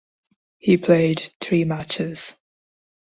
He played three matches.